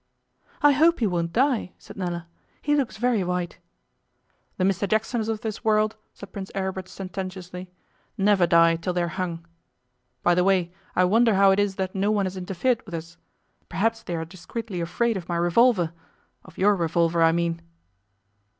'I hope he won't die,' said Nella. 'He looks very white.' 'The Mr Jacksons of this world,' said Prince Aribert sententiously, 'never die till they are hung. By the way, I wonder how it is that no one has interfered with us. Perhaps they are discreetly afraid of my revolver of your revolver, I mean.